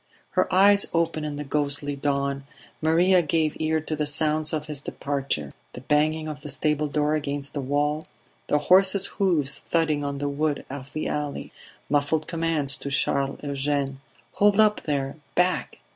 Her eyes open in the ghostly dawn, Maria gave ear to the sounds of his departure: the banging of the stable door against the wall; the horse's hoofs thudding on the wood of the alley; muffled commands to Charles Eugene: "Hold up, there! Back